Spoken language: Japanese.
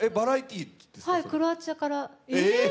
クロアチアから。